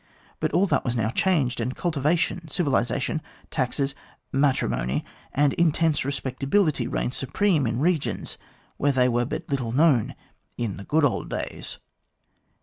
But all that was now changed, and cultivation, civilisation, taxes, matrimony, and intense respectability reigned supreme in regions where they were but little known in the good old days.